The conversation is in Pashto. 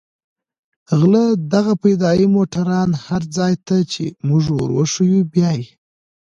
غله دغه فدايي موټران هر ځاى ته چې موږ وروښيو بيايي.